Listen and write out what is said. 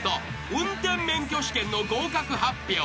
［運転免許試験の合格発表］